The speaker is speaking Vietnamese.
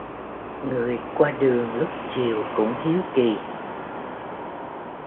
Người qua đường lúc chiều cũng hiếu kỳ